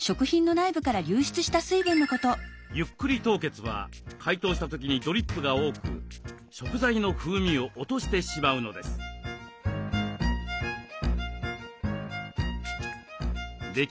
「ゆっくり凍結」は解凍した時にドリップが多く食材の風味を落としてしまうのです。